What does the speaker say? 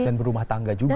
dan berumah tangga juga